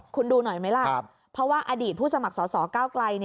คุณดูหน่อยไหมล่ะเพราะว่าอดีตผู้สมัครสอสอก้าวไกล